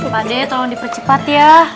pak de tolong dipercepat ya